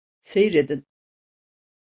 Seyredin.